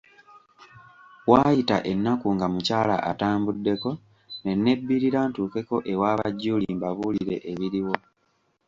Waayita ennaku nga mukyala atambuddeko ne nebbirira ntuukeko ewa ba Julie mbabuulire ebiriwo.